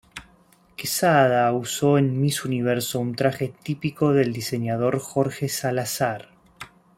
Quezada usó en Miss Universo un traje típico del diseñador Jorge Salazar.